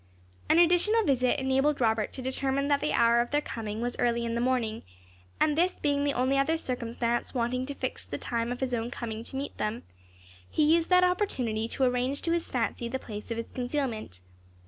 An additional visit enabled Robert to determine that the hour of their coming was early in the morning; and this being the only other circumstance wanting to fix the time of his own coming to meet them, he used that opportunity to arrange to his fancy the place of his concealment.